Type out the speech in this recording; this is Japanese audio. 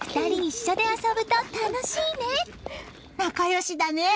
仲良しだね！